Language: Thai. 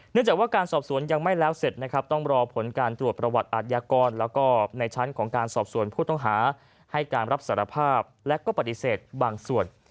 จากว่าการสอบสวนยังไม่แล้วเสร็จนะครับต้องรอผลการตรวจประวัติอาทยากรแล้วก็ในชั้นของการสอบสวนผู้ต้องหาให้การรับสารภาพและก็ปฏิเสธบางส่วน